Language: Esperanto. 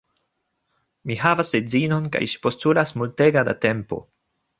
Mi havas edzinon kaj ŝi postulas multega da tempo